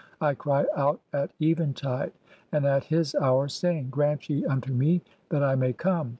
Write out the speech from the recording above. I cry out at 'eventide and at his hour, saying ;— Grant ye unto me (10) 'that I may come.